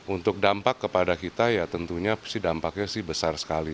untuk dampak kepada kita ya tentunya dampaknya besar sekali